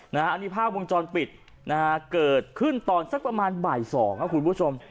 อันนี้ภาพวงจรปิดนะฮะเกิดขึ้นตอนสักประมาณบ่าย๒ครับคุณผู้ชม